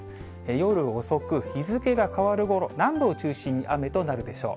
夜遅く、日付が変わるごろ、南部を中心に雨となるでしょう。